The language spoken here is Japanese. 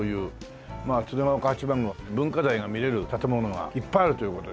まあ鶴岡八幡宮は文化財が見られる建物がいっぱいあるという事で。